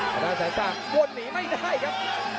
พนักแสนสักกวดหนีไม่ได้ครับ